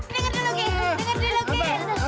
dengar dulu oke